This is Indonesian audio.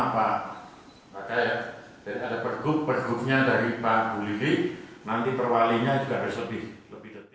pemerintah kota sulawabaya dengan dua mili yang ada di sini